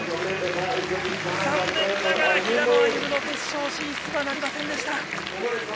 残念ながら平野歩夢は決勝進出とはなりませんでした。